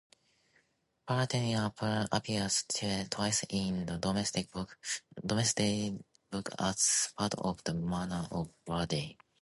Partney appears twice in the "Domesday Book", as part of the Manor of Bardney.